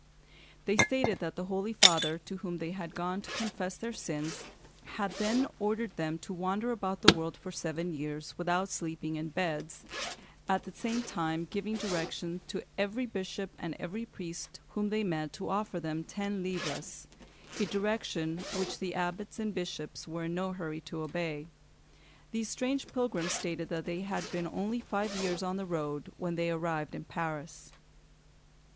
They stated that the Holy Father, to whom they had gone to confess their sins, had then ordered them to wander about the world for seven years, without sleeping in beds, at the same time giving direction to every bishop and every priest whom they met to offer them ten livres; a direction which the abbots and bishops were in no hurry to obey. These strange pilgrims stated that they had been only five years on the road when they arrived in Paris.